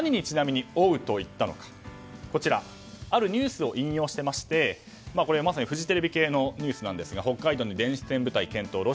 何に「おう。。」といったのかこちら、あるニュースを引用していましてまさにフジテレビ系のニュースなんですが北海道に電子戦部隊検討